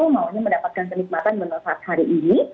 maunya mendapatkan kenikmatan menu saat hari ini